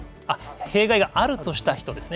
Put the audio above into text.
弊害があるとした人ですね。